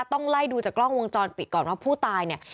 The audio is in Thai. ต้องไล่ดูจากกล้องวงจรปิดก่อนว่าผู้ตายเนี่ย